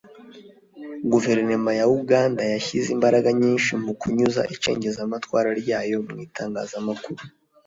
Guverinoma ya Uganda yashyize imbaraga nyinshi mu kunyuza icengezamatwara ryayo mu itangazamakuru